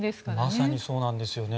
まさにそうなんですよね。